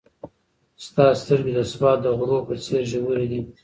ستا سترګې د سوات د غرو په څېر ژورې دي.